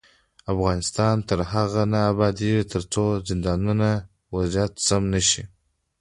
افغانستان تر هغو نه ابادیږي، ترڅو د زندانونو وضعیت سم نشي.